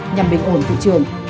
nhằm bình hồn thị trường